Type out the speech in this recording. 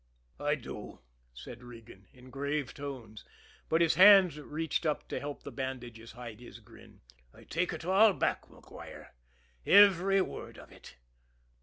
"I do," said Regan in grave tones but his hand reached up to help the bandages hide his grin. "I take it all back, Maguire every word of it."